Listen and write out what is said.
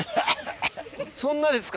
そんなですか？